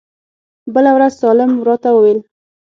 بله ورځ سالم راته وويل.